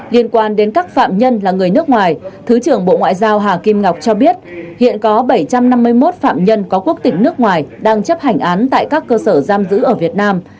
liên quan đến các phạm nhân là người nước ngoài thứ trưởng bộ ngoại giao hà kim ngọc cho biết hiện có bảy trăm năm mươi một phạm nhân có quốc tịch nước ngoài đang chấp hành án tại các cơ sở giam giữ ở việt nam